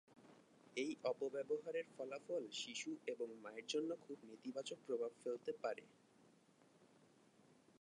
এই অপব্যবহারের ফলাফল শিশু এবং মায়ের জন্য খুব নেতিবাচক প্রভাব ফেলতে পারে।